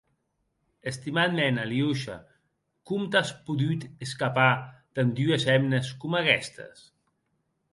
Estimat mèn Aliosha, com t'as podut escapar, damb dues hemnes coma aguestes?